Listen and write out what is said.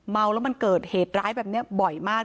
เมาแล้วมันเกิดเหตุร้ายแบบนี้บ่อยมาก